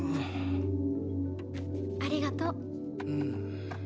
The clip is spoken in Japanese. ありがとう。